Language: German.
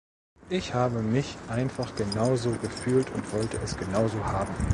Ich habe mich einfach genauso gefühlt und wollte es genauso haben.